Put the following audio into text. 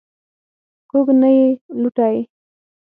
کوږ نه یې لوټه یې.